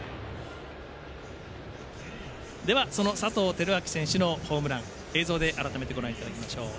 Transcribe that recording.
では、その佐藤輝明選手のホームラン映像で改めてご覧いただきましょう。